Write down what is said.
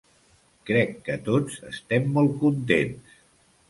Crec que tots estem molt contents.